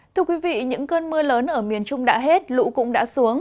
thưa quý vị những cơn mưa lớn ở miền trung đã hết lũ cũng đã xuống